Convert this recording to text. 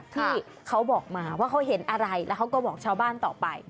ที่เขาบอกมาว่าเขาเห็นอะไรแล้วเขาก็บอกชาวบ้านต่อไป